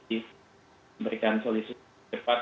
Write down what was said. memberikan solusi cepat